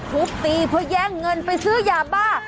ทุกตีเพื่อย้างเงินไปซื้อหยาบ้า